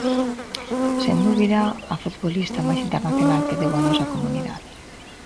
Sen dúbida a futbolista máis internacional que deu a nosa comunidade.